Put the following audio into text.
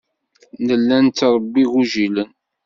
Nella nettṛebbi igujilen.